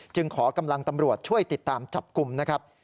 ขอกำลังตำรวจช่วยติดตามจับกลุ่มนะครับ